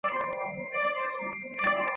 广惠寺遗址的历史年代为清。